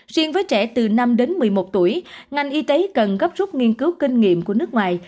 riêng với trẻ từ năm đến một mươi một tuổi ngành y tế cần gấp rút nghiên cứu kinh nghiệm của nước ngoài